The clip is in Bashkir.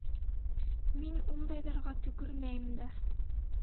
Мин ундайҙарға төкөрмәйем дә!